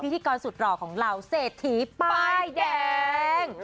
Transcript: พิธีกรสุดหล่อของเราเศรษฐีป้ายแดง